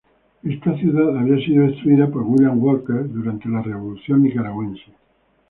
Esta ciudad había sido destruida por William Walker durante la Revolución Nicaragüense.